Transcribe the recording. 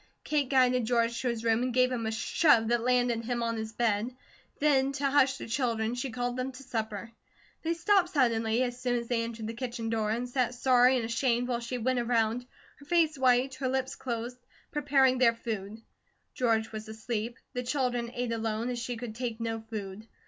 Kate guided George to his room and gave him a shove that landed him on his bed. Then to hush the children she called them to supper. They stopped suddenly, as soon as they entered the kitchen door, and sat, sorry and ashamed while she went around, her face white, her lips closed, preparing their food. George was asleep. The children ate alone, as she could take no food.